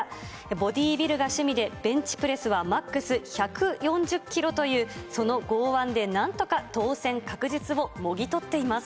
ボディビルが趣味で、ベンチプレスはマックス１４０キロというその剛腕でなんとか当選確実をもぎ取っています。